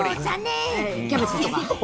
キャベツとか？